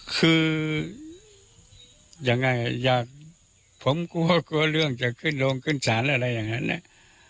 คือยังไงอยากผมกลัวกลัวเรื่องจะขึ้นโรงขึ้นศาลอะไรอย่างนั้นเนี่ย